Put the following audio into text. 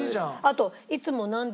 あと。